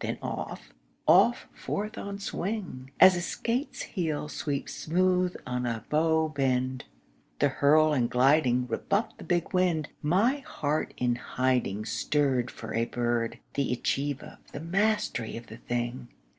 then off, off forth on swing, As a skate's heel sweeps smooth on a bow bend: the hurl and gliding Rebuffed the big wind. My heart in hiding Stirred for a bird, the achieve of, the mastery of the thing!